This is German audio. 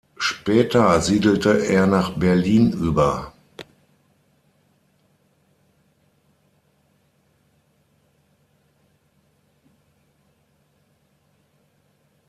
Später siedelte er nach Berlin über.